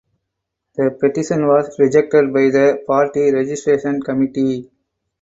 The petition was rejected by the party registration committee.